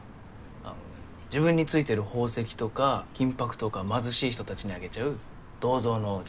あの自分についてる宝石とか金ぱくとかを貧しい人たちにあげちゃう銅像の王子。